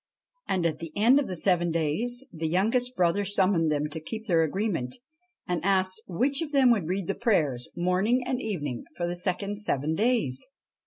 And at the end of the seven days the youngest brother summoned them to keep their agreement, and asked which of them would read the prayers, morning and evening, for the second seven days.